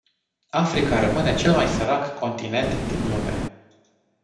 Africa rămâne cel mai sărac continent din lume.